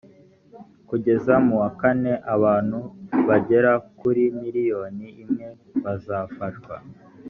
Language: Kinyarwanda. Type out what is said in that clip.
kugeza mu wa kane abantu bagera kuri miriyoni imwe bazafashwa